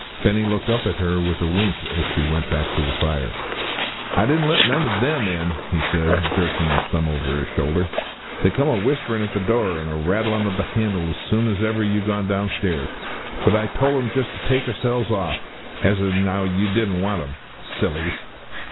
Benny looked up at her with a wink as she went back to the fire. "I didn't let none o' them in," he said, jerking his thumb over his shoulder. "They come a whisperin' at the door, an' a rattlin' ov the handle as soon as ever you gone downstairs. But I tole 'em just to take theirselves off, an' as 'ow you didn't want 'em. Sillies!"